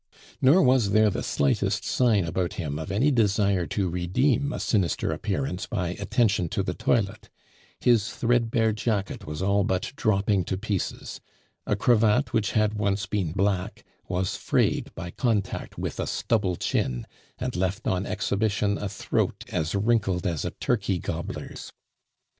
Nor was there the slightest sign about him of any desire to redeem a sinister appearance by attention to the toilet; his threadbare jacket was all but dropping to pieces; a cravat, which had once been black, was frayed by contact with a stubble chin, and left on exhibition a throat as wrinkled as a turkey gobbler's.